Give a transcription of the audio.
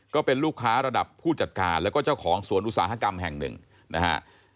ก็เป็นลูกค้าระดับผู้จัดการแล้วก็เจ้าของสวนอุตสาหกรรมแห่งหนึ่งนะฮะ